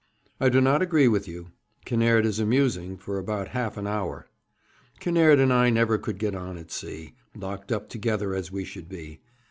'I do not agree with you. Kinnaird is amusing for about half an hour. Kinnaird and I never could get on at sea, locked up together as we should be.